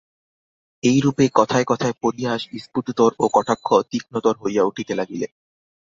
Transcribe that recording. এইরূপে কথায় কথায় পরিহাস স্ফুটতর ও কটাক্ষ তীক্ষ্ণতর হইয়া উঠিতে লাগিল।